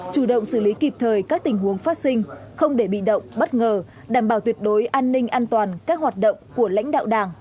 chủ động xử lý kịp thời các tình huống phát sinh không để bị động bất ngờ đảm bảo tuyệt đối an ninh an toàn các hoạt động của lãnh đạo đảng